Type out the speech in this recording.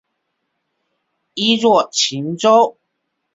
一作晴州。